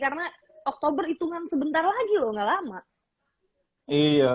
karena oktober itu kan sebentar lagi loh gak lama